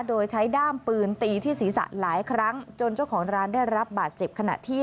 โดยใช้ด้ามปืนตีที่ศีรษะหลายครั้งจนเจ้าของร้านได้รับบาดเจ็บขณะที่